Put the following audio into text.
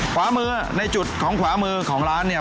ขวามือในจุดของขวามือของร้านเนี่ย